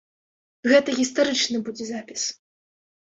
Гэта гістарычны будзе запіс.